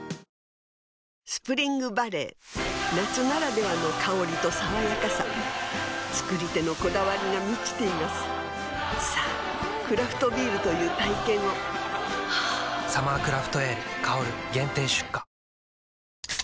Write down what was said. スプリングバレー夏ならではの香りと爽やかさ造り手のこだわりが満ちていますさぁクラフトビールという体験を「サマークラフトエール香」限定出荷